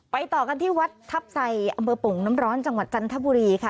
ต่อกันที่วัดทัพไซอำเภอโป่งน้ำร้อนจังหวัดจันทบุรีค่ะ